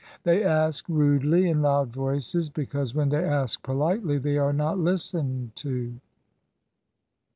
They ask rudely, in loud voices, be cause when they ask politely they are not listened to."